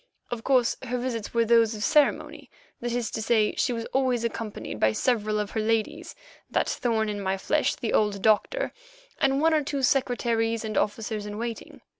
Of course, her visits were those of ceremony—that is to say, she was always accompanied by several of her ladies, that thorn in my flesh, the old doctor, and one or two secretaries and officers in waiting.